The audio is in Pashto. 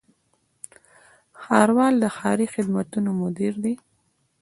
ښاروال د ښاري خدماتو مدیر دی